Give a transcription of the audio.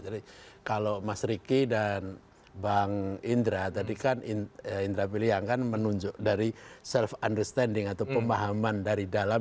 jadi kalau mas riki dan bang indra tadi kan indra pilihan kan menunjuk dari self understanding atau pemahaman dari dalam